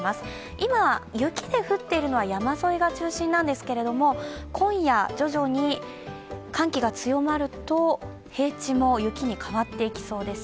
今、雪で降っているのは山沿いが中心なんですけれども、今夜、徐々に寒気が強まると平地も雪に変わっていきそうです。